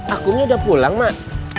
akunya udah pulang mak